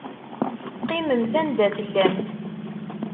Qqimemt anda tellamt.